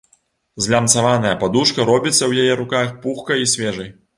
Злямцаваная падушка робіцца ў яе руках пухкай і свежай.